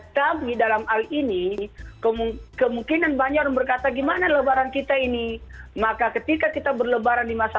waalaikumsalam warahmatullahi wabarakatuh